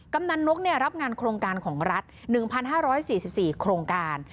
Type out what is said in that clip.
กำนันนกรับงานโครงการของรัฐ๑๕๔๔โครงการ